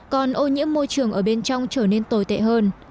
còn ô nhiễm môi trường ở bên trong trở nên tồi tệ hơn